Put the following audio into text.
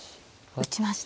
打ちました。